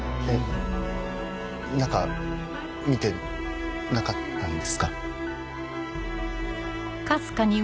えっ中見てなかったんですか？